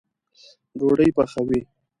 ډوډۍ پخوئ